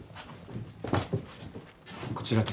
こちらです。